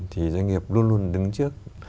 thì doanh nghiệp luôn luôn đứng trước